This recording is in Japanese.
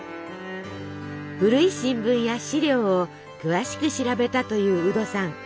古い新聞や資料を詳しく調べたというウドさん。